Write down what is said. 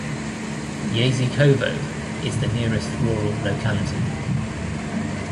Yazykovo is the nearest rural locality.